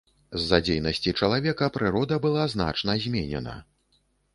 З-за дзейнасці чалавека прырода была значна зменена.